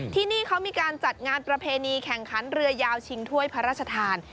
ที่นี่เขามีการจัดงานประเพณีแข่งขันเรือยาวชิงถ้วยพระราชทาน